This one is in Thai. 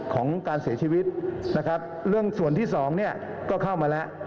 ของการเสียชีวิตนะครับเรื่องส่วนที่สองเนี่ยก็เข้ามาแล้ว